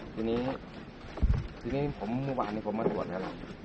ทีนี้ทีนี้ผมมื่อวานนะครับมาสอบแล้วแล้ว